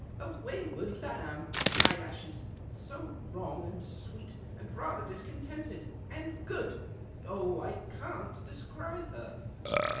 " A wayward lamb. Eyelashes, So wrong, md sweet, and rather discontented, and good ! Jh ! I can't describe her